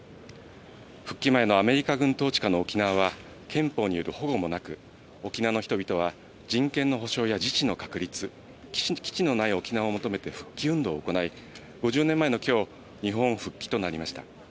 復帰前のアメリカ軍統治下の沖縄は憲法による保護もなく、沖縄の人々は人権の保障や、自治の確率、基地のない沖縄を求めて復帰運動を行い、５０年前の今日、日本復帰となりました。